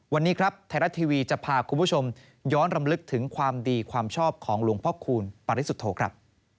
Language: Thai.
วันนี้ครับไทยรัฐทีวีจะพาคุณผู้ชมย้อนรำลึกถึงความดีความชอบของหลวงพ่อคูณปริสุทธโธครับ